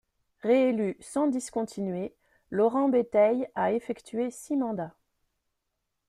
Réélu sans discontinuer, Laurent Béteille a effectué six mandats.